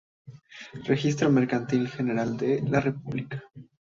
Registro Mercantil General de la República